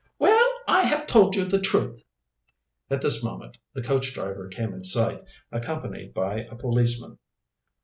"Well, I have told you the truth." At this moment the coach driver came in sight, accompanied by a policeman.